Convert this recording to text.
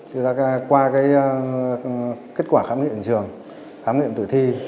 chúng ta qua cái kết quả khám nghiệm trường khám nghiệm tử thi